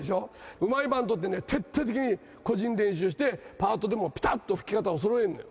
うまいバンドってね、徹底的に個人練習して、パートでもぴたっと吹き方をそろえるの。